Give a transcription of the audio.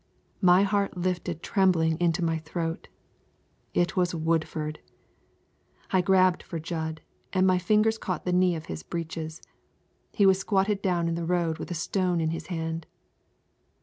My heart lifted trembling into my throat. It was Woodford! I grabbed for Jud, and my fingers caught the knee of his breeches. He was squatted down in the road with a stone in his hand.